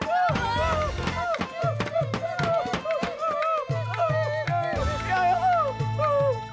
maaf bang ada lagi kalutan